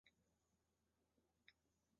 之后不再出仕。